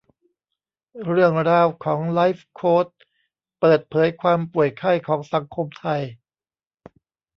เรื่องราวของไลฟ์โค้ชเปิดเผยความป่วยไข้ของสังคมไทย